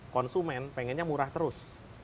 konsumen pengennya murah terus